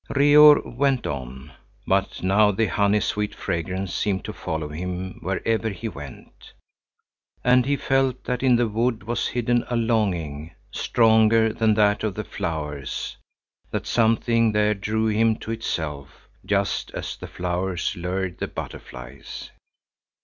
Reor went on, but now the honey sweet fragrance seemed to follow him wherever he went. And he felt that in the wood was hidden a longing, stronger than that of the flowers, that something there drew him to itself, just as the flowers lured the butterflies.